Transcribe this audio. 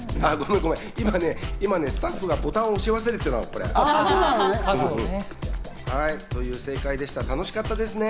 今ね、スタッフがボタンを押し忘れてたのね。という正解でした、楽しかったですね。